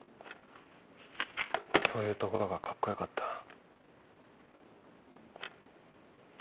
そういうところがカッコよかった。